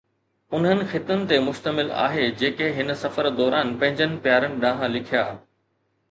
انهن خطن تي مشتمل آهي جيڪي هن سفر دوران پنهنجن پيارن ڏانهن لکيا